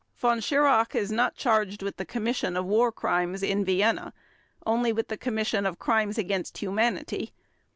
Von Schirach is not charged with the commission of War Crimes in Vienna, only with the commission of Crimes against Humanity.